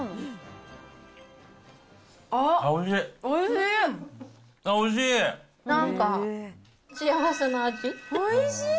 おいしい！